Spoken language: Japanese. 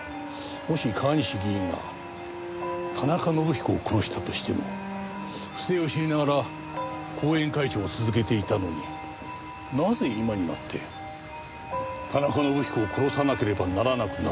もし川西議員が田中伸彦を殺したとしても不正を知りながら後援会長を続けていたのになぜ今になって田中伸彦を殺さなければならなくなったのか。